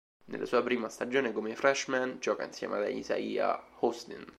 Nella sua prima stagione come freshman gioca insieme ad Isaiah Austin.